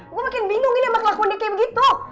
gue makin bingung ini sama kelakuan dia kayak begitu